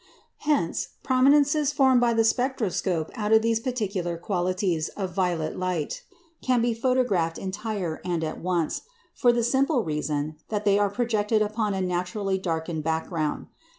Hence, prominences formed by the spectroscope out of these particular qualities of violet light, can be photographed entire and at once, for the simple reason that they are projected upon a naturally darkened background.